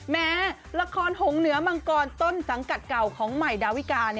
แม้ละครหงเหนือมังกรต้นสังกัดเก่าของใหม่ดาวิกา